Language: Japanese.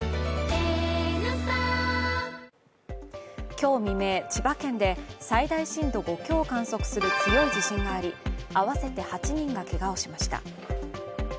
今日未明、千葉県で最大震度５強を観測する強い地震があり合わせて８人がけがをしました。